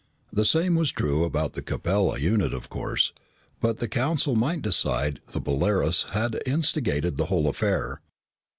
The same was true about the Capella unit, of course, but the Council might decide the Polaris had instigated the whole affair.